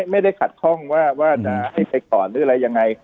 ไม่ได้ขัดข้องว่าจะให้ไปก่อนหรืออะไรยังไง